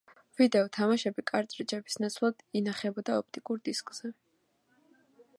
ვიდეო თამაშები კარტრიჯების ნაცვლად ინახებოდა ოპტიკურ დისკზე.